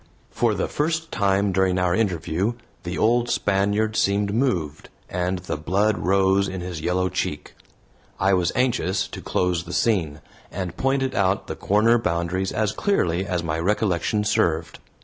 For the first time during our interview the old Spaniard seemed moved, and the blood rose in his yellow cheek. I was anxious to close the scene, and pointed out the corner boundaries as clearly as my recollection served.